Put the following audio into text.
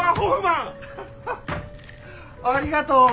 ありがとう！